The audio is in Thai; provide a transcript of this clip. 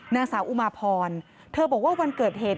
นางสาวอุมาพรเธอบอกว่าวันเกิดเหตุ